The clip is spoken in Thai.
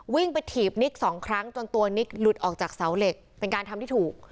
วิ่งไปถีบนิกสองครั้งจนตัวนิกหลุดออกจากเสาเหล็กเป็นการทำที่ถูก